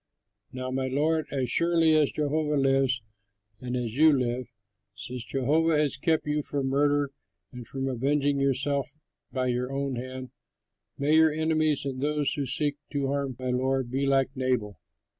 Now, my lord, as surely as Jehovah lives and as you live, since Jehovah has kept you from murder and from avenging yourself by your own hand, may your enemies and those who seek to harm my lord be like Nabal.